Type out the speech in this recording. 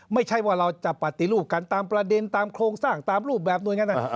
ไม่ใช่ว่าเราจะปฏิรูปกันตามประเด็นตามโครงสร้างตามรูปแบบหน่วยงานต่าง